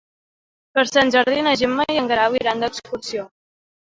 Per Sant Jordi na Gemma i en Guerau iran d'excursió.